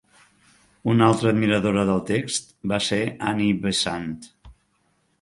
Una altra admiradora del text va ser Annie Besant.